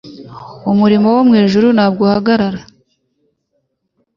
Umurimo wo mu ijuru ntabwo uhagarara,